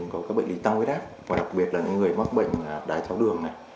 có các bệnh lý tăng huyết áp và đặc biệt là những người mắc bệnh đái tháo đường này